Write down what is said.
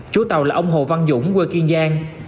chú tàu là ông hồ văn dũng quê kiên giang